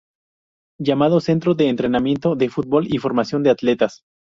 Llamado Centro de entrenamiento de fútbol y formación de atletas.